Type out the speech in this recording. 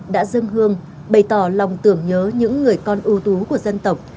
đã dâng hương bày tỏ lòng tưởng nhớ những người con ưu tú của dân tộc